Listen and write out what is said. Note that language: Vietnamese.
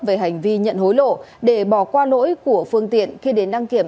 về hành vi nhận hối lộ để bỏ qua lỗi của phương tiện khi đến đăng kiểm